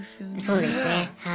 そうですねはい。